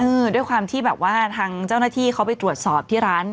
ด้วยความที่แบบว่าทางเจ้าหน้าที่เขาไปตรวจสอบที่ร้าน